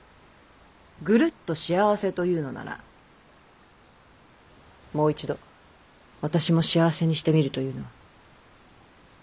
ぐるっと幸せというのならもう一度私も幸せにしてみるというのは。